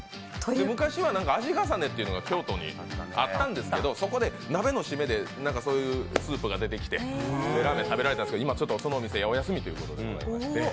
昔は味がさねっていうのが京都にあったんですけどそこで鍋の締めでそういうスープが出てきたんですけど、今そのお店、お休みということで。